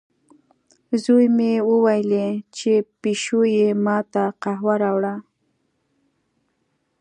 زوی مې وویلې، چې پیشو یې ما ته قهوه راوړه.